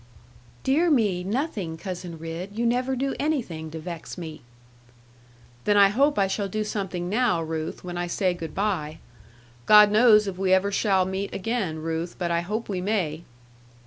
'Dear me, nothing, Cousin Ridd; you never do anything to vex me.' 'Then I hope I shall do something now, Ruth, when I say good bye. God knows if we ever shall meet again, Ruth: but I hope we may.'